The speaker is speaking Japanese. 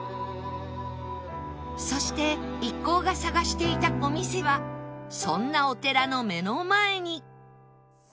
そして一行が探していたお店はそんなお寺の目の前に